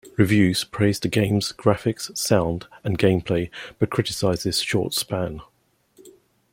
Reviews praised the game's graphics, sound, and gameplay, but criticized its short span.